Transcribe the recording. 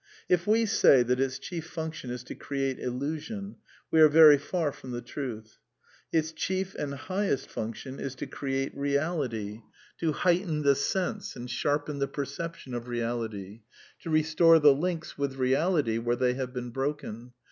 If we say that its chief func i tion is to create illusion, we are very far from the truth fN^^ Its chief and highest function is to create reality; tol heighten the sense and sharpen the perception of reality ; to' restore the links with reali^ where they have been broken.